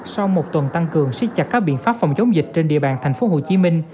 sau một tuần tăng cường xích chặt các biện pháp phòng chống dịch trên địa bàn tp hcm